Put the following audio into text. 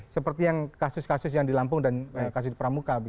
seperti yang kasus kasus yang di lampung dan kasus di pramuka